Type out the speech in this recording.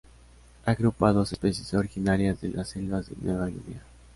Agrupa a dos especies originarias de las selvas de Nueva Guinea.